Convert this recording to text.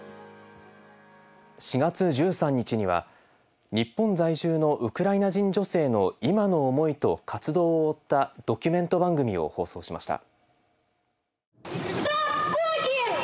４月１３日には日本在住のウクライナ人女性の今の思いと活動を追ったドキュメント番組を放送しました。